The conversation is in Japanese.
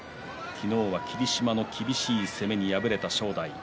昨日は霧島の厳しい攻めに敗れた正代。